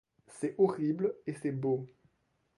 C'est horrible et c'est beau.